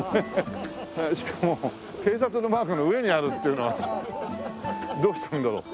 しかも警察のマークの上にあるっていうのはどうしたんだろう。